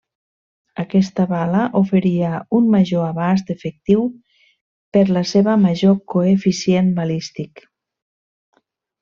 Aquesta bala oferia un major abast efectiu per la seva major coeficient balístic.